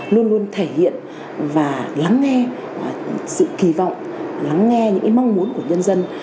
luôn luôn thể hiện và lắng nghe sự kỳ vọng lắng nghe những mong muốn của nhân dân